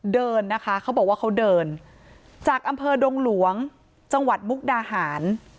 เดินนะคะเขาบอกว่าเขาเดินจากอำเภอดงหลวงจังหวัดมุกดาหาร